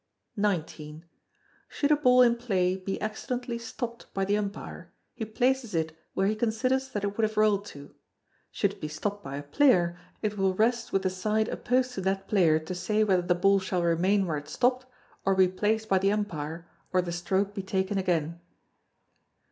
xix. Should a ball in play be accidentally stopped by the umpire, he places it where he considers that it would have rolled to. Should it be stopped by a player, it will rest with the side opposed to that player to say whether the ball shall remain where it stopped, or be placed by the umpire, or the stroke be taken again.